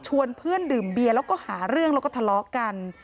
เพื่อนดื่มเบียร์แล้วก็หาเรื่องแล้วก็ทะเลาะกัน